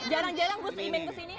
jarang jarang gus iming kesini